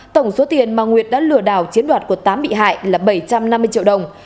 tổng số tiền mà nguyệt đã lừa đảo chiếm đoạt của tám bị hại là bảy trăm năm mươi triệu đồng